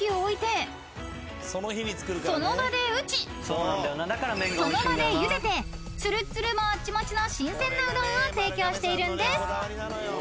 ［その場で打ちその場でゆでてつるっつるもっちもちの新鮮なうどんを提供しているんです］